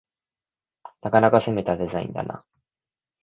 なかなか攻めたデザインだな